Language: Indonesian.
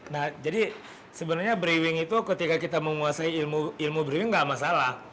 nah jadi sebenarnya brewing itu ketika kita menguasai ilmu brewing nggak masalah